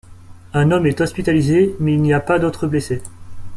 Un homme est hospitalisé, mais il n'y a pas d'autres blessés.